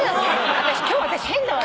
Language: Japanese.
今日私変だわ。